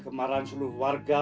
kemarahan seluruh warga